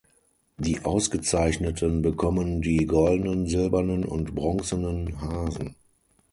Die Ausgezeichneten bekommen die Goldenen, Silbernen und Bronzenen Hasen.